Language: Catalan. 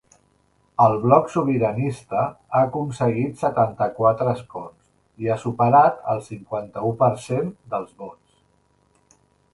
El bloc sobiranista ha aconseguit setanta-quatre escons i ha superat el cinquanta-u per cent dels vots.